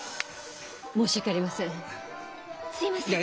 申し訳ありません。